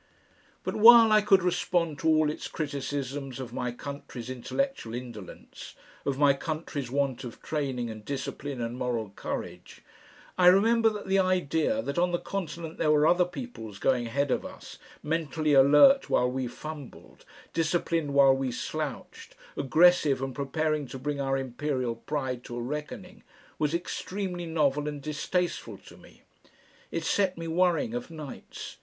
But while I could respond to all its criticisms of my country's intellectual indolence, of my country's want of training and discipline and moral courage, I remember that the idea that on the continent there were other peoples going ahead of us, mentally alert while we fumbled, disciplined while we slouched, aggressive and preparing to bring our Imperial pride to a reckoning, was extremely novel and distasteful to me. It set me worrying of nights.